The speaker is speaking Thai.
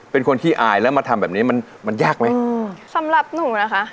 เป็นคนขี้อายแล้วมาทำแบบนี้มันมันยากไหมอืมสำหรับหนูนะคะ